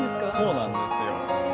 そうなんですよ。